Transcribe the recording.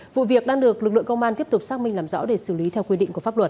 vụ việc đang được lực lượng công an tiếp tục xác minh làm rõ để xử lý theo quy định của pháp luật